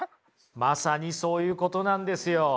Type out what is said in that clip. まさにそういうことなんですよ。